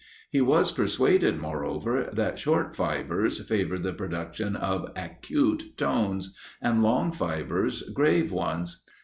He was persuaded, moreover, that short fibres favoured the production of acute tones, and long fibres grave ones.